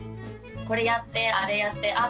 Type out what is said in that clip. これやってあれやってあ